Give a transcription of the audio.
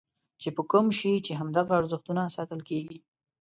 چې په کوم شي چې همدغه ارزښتونه ساتل کېږي.